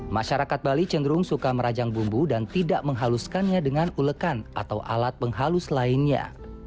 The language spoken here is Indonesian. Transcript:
masyarakat bali cenderung suka merajang bumbu dan tidak menghaluskannya dengan ulekan atau alat penghalus lainnya